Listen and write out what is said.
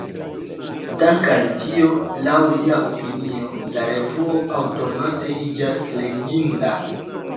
Dank’ al tio, laŭ lia opinio, la revuo aŭtomate iĝas “leginda”.